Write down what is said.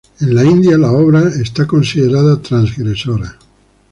En la India, la obra de es considerada transgresora.